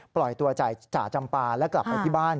ปล่อยตัวจ่าจำปาและกลับไปที่บ้าน